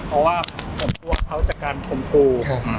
เพราะว่าผมกลัวเขาจากการคมครู